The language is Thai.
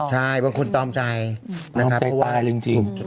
ใช่บางคนตอมชายนะครับ